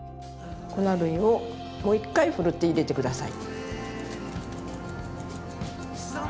粉類をもう一回ふるって入れて下さい。